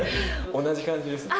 同じ感じですね。